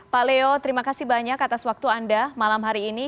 pak leo terima kasih banyak atas waktu anda malam hari ini